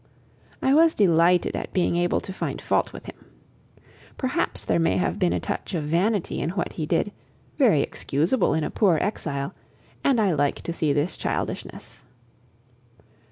I was delighted at being able to find fault with him. Perhaps there may have been a touch of vanity in what he did, very excusable in a poor exile, and I like to see this childishness.